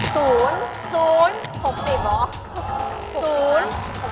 ๖๐หรอ